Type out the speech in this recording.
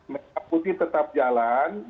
merah putih tetap jalan